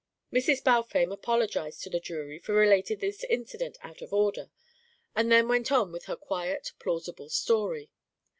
Mrs. Balfame apologised to the jury for relating this incident out of order, and then went on with her quiet plausible story.